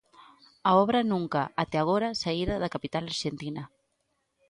A obra nunca até agora saíra da capital arxentina.